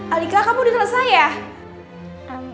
alika kamu udah selesai ya